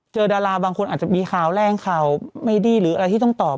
ดาราบางคนอาจจะมีข่าวแรงข่าวไม่ดีหรืออะไรที่ต้องตอบ